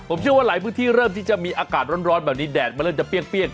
ผมเชื่อว่าหลายพื้นที่เริ่มที่จะมีอากาศร้อนแบบนี้แดดมันเริ่มจะเปรี้ยง